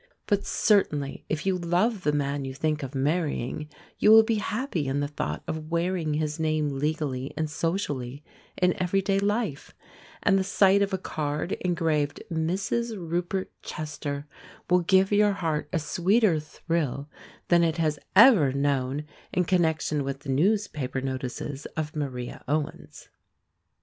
But certainly, if you love the man you think of marrying, you will be happy in the thought of wearing his name legally and socially in every day life, and the sight of a card engraved, "Mrs. Rupert Chester," will give your heart a sweeter thrill than it has ever known in connection with the newspaper notices of Maria Owens.